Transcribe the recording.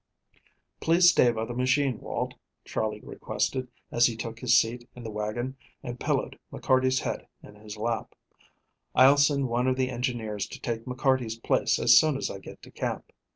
"Please stay by the machine, Walt," Charley requested, as he took his seat in the wagon and pillowed McCarty's head in his lap. "I'll send one of the engineers to take McCarty's place as soon as I get to camp."